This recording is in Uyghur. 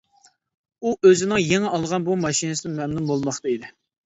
ئۇ ئۆزىنىڭ يېڭى ئالغان بۇ ماشىنىسىدىن مەمنۇن بولماقتا ئىدى.